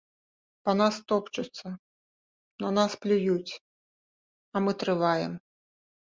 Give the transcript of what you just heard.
Па нас топчуцца, на нас плююць, а мы трываем.